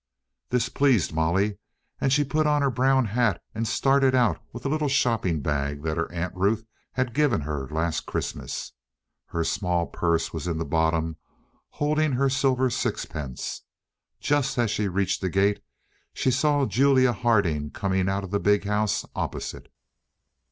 This pleased Molly, and she put on her brown hat and started out with a little shopping bag that her Aunt Ruth had given her last Christmas. Her small purse was in the bottom holding her silver sixpence. Just as she reached the gate, she saw Julia Harding coming out of the big house opposite.